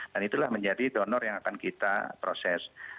dan itulah menjadi donor yang akan kita proses